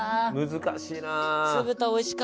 難しいな。